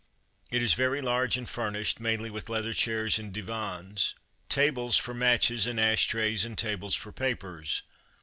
It is very large and is furnished mainly with leather chairs and divans, tables for matches and ash trays, and tables for papers.